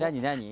何？